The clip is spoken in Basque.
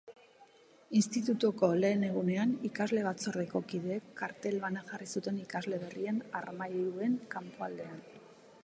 Institutuko lehen egunean, Ikasle Batzordeko kideek kartel bana jarri zuten ikasle berrien armairuen kanpoaldean.